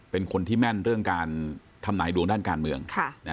เป็นคนที่แม่นเรื่องการทำนายดวงด้านการเมือง